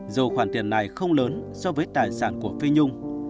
dù khoản tiền này không lớn so với tài sản của phi nhung